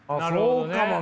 そうかもね。